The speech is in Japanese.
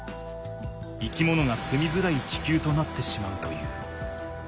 生きものがすみづらい地球となってしまうという。